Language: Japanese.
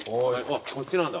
こっちなんだ。